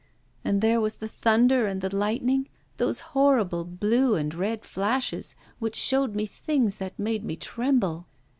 And there was the thunder and the lightning those horrible blue and red flashes, which showed me things that made me tremble.